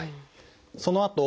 そのあと